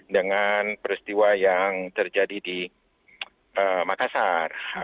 dengan peristiwa yang terjadi di makassar